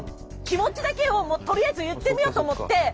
気持ちだけをとりあえず言ってみようと思って。